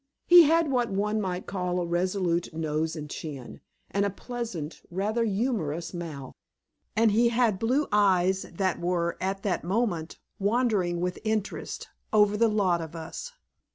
He had what one might call a resolute nose and chin, and a pleasant, rather humorous, mouth. And he had blue eyes that were, at that moment, wandering with interest over the lot of us.